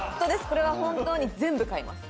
これは本当に全部買います。